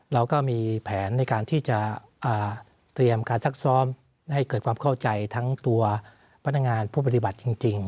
เราก็มีแผนในการที่จะเตรียมการซักซ้อมให้เกิดความเข้าใจทั้งตัวพนักงานผู้ปฏิบัติจริง